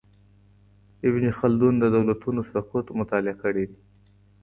ابن خلدون د دولتونو سقوط مطالعه کړی دی.